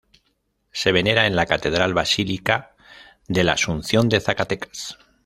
Se venera en la Catedral Basílica de la Asunción de Zacatecas.